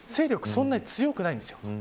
そんなに強くないんです。